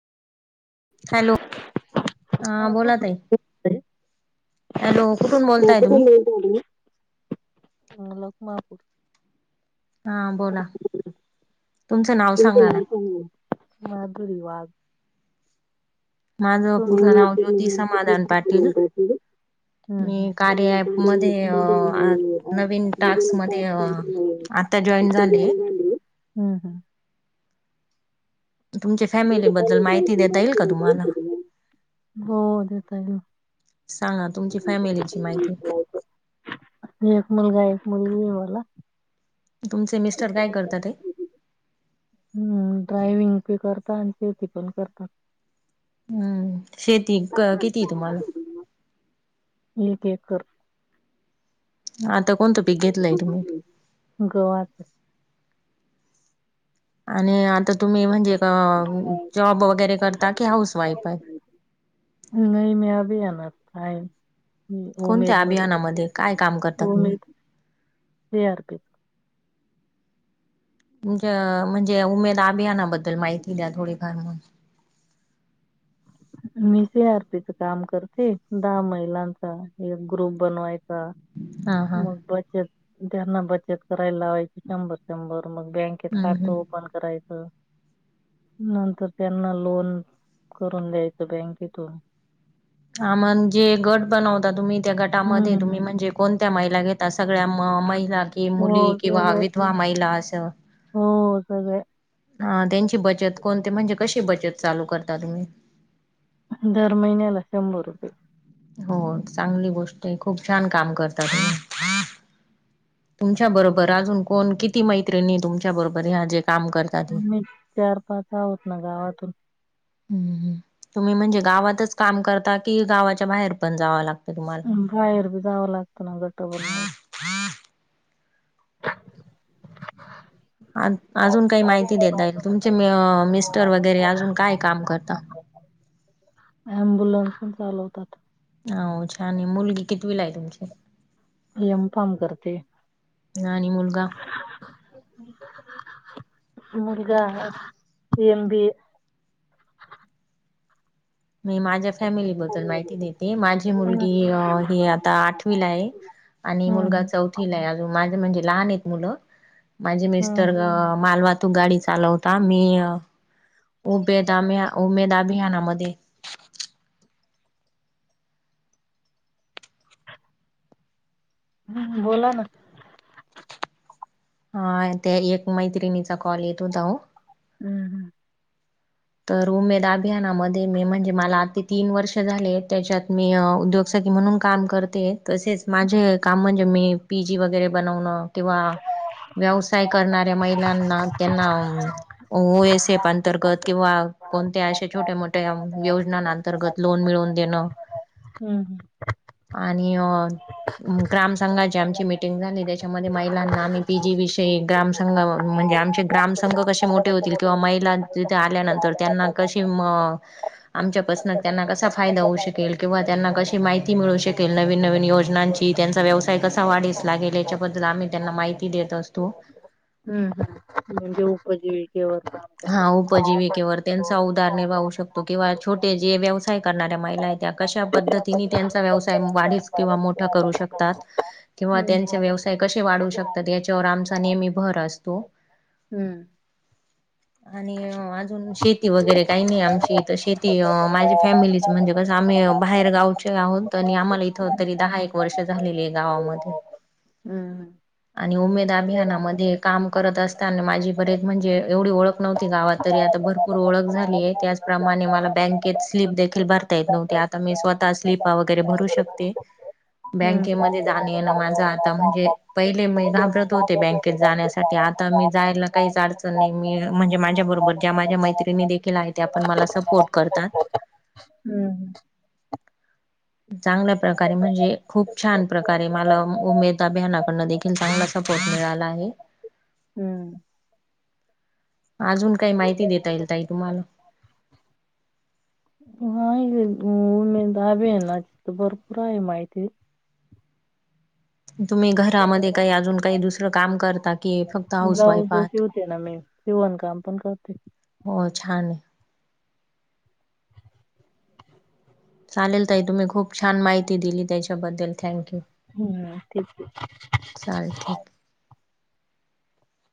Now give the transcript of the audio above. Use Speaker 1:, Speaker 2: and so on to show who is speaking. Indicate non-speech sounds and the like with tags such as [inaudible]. Speaker 1: Hello, हा
Speaker 2: माझ
Speaker 1: बोला ताई.
Speaker 2: कुठे
Speaker 1: हॅलो, कुठून बोलताय तुम्ही?
Speaker 2: अ लखमापूर
Speaker 1: हा बोला. तुमच नाव सांगा ना.
Speaker 2: माधुरी वाघ.
Speaker 1: माझ पूर्ण नाव ज्योति समादान पाटील.
Speaker 2: हम्म
Speaker 1: मी
Speaker 2: हम्म
Speaker 1: कार्य ॲप मध्ये अ नवीन टास्क मध्ये अ आता जॉईन झालीय.
Speaker 2: हम्म हम्म.
Speaker 1: तुमच्या फॅमिलीबद्दल माहिती देता येईल का तुम्हाला?
Speaker 2: हो देता येईल
Speaker 1: सांगा तुमची फॅमिलीची माहिती.
Speaker 2: एक मुलगा एक मुलगी आहे मला.
Speaker 1: तुमचे मिस्टर काय करता ताई.
Speaker 2: हम्म, ड्रायविंग पी करता आणि शेती पण करतात.
Speaker 1: हम्म. शेती किती आहे तुम्हाला?
Speaker 2: एक एकर.
Speaker 1: आता कोणतं पीक घेतलंय तुम्ही?
Speaker 2: गव्हाच.
Speaker 1: आणि आता तुम्ही म्हणजे ग-जॉब वगैरे करता की हाऊस वाईफ आहे.
Speaker 2: नाही मी अभी आणाथ हाय. हम् उमेद
Speaker 1: कोणत्या
Speaker 2: मध्ये
Speaker 1: अभियानामध्ये काय काम करता तुम्ही?
Speaker 2: उमेद ते अर पी
Speaker 1: तुमच्या म्हणजे उमेद अभियानाबद्दल माहिती द्या थोडीफार
Speaker 2: मी सी आर पी च काम करते दहा महिलांच. एक ग्रुप बनवायचा
Speaker 1: हा हा.
Speaker 2: मग बचत त्यांना बचत करायला लावायची शंभर शंभर मग बँक केत
Speaker 1: हम्म
Speaker 2: खात
Speaker 1: हम्म
Speaker 2: ओप -पण करायच नंतर त्यांना लोन करून द्यायच. बँकेतून
Speaker 1: हा म्हणजे गट बनवता, तुम्ही त्या
Speaker 2: हम्म
Speaker 1: गटामध्ये
Speaker 2: हम्म.
Speaker 1: तुम्ही म्हणजे कोणत्या महिला घेतासगळ्या महिलाच. कि
Speaker 2: हो
Speaker 1: मुली किंवा
Speaker 2: सगळे
Speaker 1: विधवा महिला आशा.
Speaker 2: हो सगळे
Speaker 1: हा त्यांची बचत कोणती म्हणजे कशी बचत चालू करता तुम्ही.
Speaker 2: दर महिन्याला शंभर रुपये.
Speaker 1: हो चांगली गोष्ट आहे. खूप छान काम करता तुम्ही. तुमच्या बरोबर अजून कोण? किती? मैत्रिणी तुमच्या बरोबर हे जे काम करता
Speaker 2: मी चार पाच आहोत ना गावातून.
Speaker 1: हम् तुम्ही म्हणजे गावातच काम करता कि गावाच्या बाहेर पण जावं लागत तुम्हाला.
Speaker 2: बाहेर बी जावं लागतं ना गट बनवायला.
Speaker 1: अ-अजून काही माहिती देता येईल तुमचे मी-मिस्टर वगैरे अजून काय काम करता?
Speaker 2: अम्बुलन्स पण चालवतात.
Speaker 1: हो छान आहे. मुलगी कितवीला आहे तुमची?
Speaker 2: एम फार्म करते.
Speaker 1: आणि मुलगा?
Speaker 2: मुलगा आहे एम बी ए
Speaker 1: मी माझ्या फॅमिलीबद्दल माहिती देते, माझी
Speaker 2: हम्म
Speaker 1: मुलगी ही आता आठवीला आहे. आणि मुलगा
Speaker 2: हम्म
Speaker 1: चौथिला. -थीला आहे अजून माझ म्हणजे लहान आहेत मुलं माझे मिस्टर अ मालवन - तू गाडी चालवता मी उमेद अभि उमेद अभियानामध्ये
Speaker 2: हम्म, बोला ना...
Speaker 1: हा एक मैत्रिणीचा कॉल होता हो.
Speaker 2: हम्म हम्म...
Speaker 1: तर उमेद अभियानामध्ये मी म्हणजे मला आ तीन वर्ष झाले त्याच्यात मी उद्योग. शेती म्हणून काम करते तसेच माझे काम म्हणजे मी. पीजी वगैरे बनवणं किंवा. व्यवसाय करणाऱ्या महिलांना त्यांना ओएसएफ अंतर्गत. किंवा कोणत्या अशा छोट्या मोठ्या योजनां अंतर्गत लोन मिळवून देणं.
Speaker 2: हम्म हम्म...
Speaker 1: आणि आणि. ग्राम संंघाची आमची मिटिंग झाली त्याच्यामध्ये महिलांना आम्ही पी जी विषयी ग्राम. संघ म्हणजे आमचे ग्रामसंघ कसे मोठे होतील किंवा महिलाचे ते आल्यानंतर त्यांना कशी म आमच्यापासन त्यांना कसा फायदा होऊ शकेल किंवा त्यांना कशी माहिती मिळू शकेल नवीन नवीन योजनांची. की त्यांचा व्यवसाय कसा वाढीस लागेल, याच्याबद्दल आम्ही त्यांना माहिती देत असतो.
Speaker 2: हम्म हम्म म्हणजे उपजीविकेवर चा आ
Speaker 1: हा उ उपजीविकेवर त्यांचा उदार निर्भावू शकतो किंवा छोटे जे व्यवसाय करणाऱ्या महिला आहे त्या कशा पद्ध तिनी त्यांचा व्यवसाय वाढीच किंवा मोठा करू शकतात. किंवा
Speaker 2: हम्म
Speaker 1: त्यांचे व्यवसाय कसे वाढू शकतात याच्यावर आमचा नेहमी भर असतो.
Speaker 2: हम्म
Speaker 1: आणि अजून शेती वगैरे काही नाही आमची तर शेती माझी फॅमिलीच म्हणजे कसं आम्ही बाहेर गावचे आहोत आणि आम्हाला इथं तरी दहा एक वर्ष झालेली आहे गावामध्ये.
Speaker 2: हम्म
Speaker 1: आणि उमेद अभियानामध्ये काम करत असताना माझी बरे म्हणजे एवढी ओळख नव्हते गावात तरी आता भरपूर ओळख झाली आहे, त्याचप्रमाणे मला बँकेत स्लीप देखील भरता येत नव्हती आ ता मी स्वतः स्लीपा वगैरे भरू शकते.
Speaker 2: हम्म
Speaker 1: बँकेमध्ये जाण येन माझं आता म्हणजे पहिले मी घाबरत होते बँकेत जाण्यासाठी आता मी जायला काहीच अडचन नाही, मी म्हणजे माझ्या बरोबर ज्या माझ्या मैत्रिणी देखील आहेत, त्या पण मला सपोर्ट करतात.
Speaker 2: हम्म
Speaker 1: चांगल्या प्रकारे म्हणजे खूप छान प्रकारे मला उमेद अभियाना कडन देखी ल चांगला सपोर्ट मिळाला आहे.
Speaker 2: हम्म
Speaker 1: अजून काही माहिती देता येईल ताई तुम्हाल?
Speaker 2: [unintelligible] त्या अभियानाची तर भरपूर आहे माहिती.
Speaker 1: तुम्ही घरामध्ये काही अजून काही दुसरं काम करता कि फक्त हाऊस वाईफ
Speaker 2: ब्लाऊज
Speaker 1: आहात?
Speaker 2: शिवते ना मी शिवण काम पण करते.
Speaker 1: हो छान आहे. चालेल ताई तुम्ही खूप छान माहिती दिली त्याच्याबद्दल थँक्यू.
Speaker 2: हम्म ठीक आहे.
Speaker 1: चालते